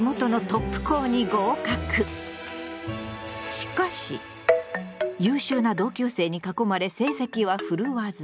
しかし優秀な同級生に囲まれ成績は振るわず。